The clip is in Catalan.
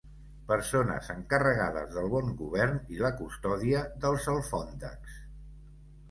Persones encarregades del bon govern i la custòdia dels alfòndecs.